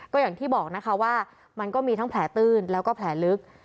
ก็อย่างที่บอกนะคะว่ามันก็มีทั้งแผลตื้นแล้วก็แผลลึก